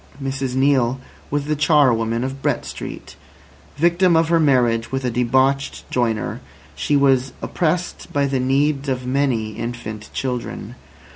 Mrs Neale was the charwoman of Brett Street. Victim of her marriage with a debauched joiner, she was oppressed by the needs of many infant children.